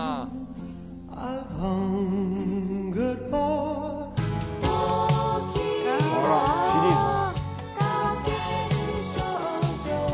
あらシリーズ。